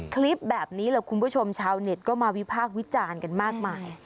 คลิปแบบนี้แหละคุณผู้ชมชาวเน็ตก็มาวิพากษ์วิจารณ์กันมากมาย